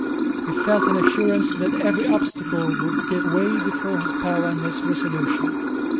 He felt an assurance that every obstacle would give way before his power and his resolution.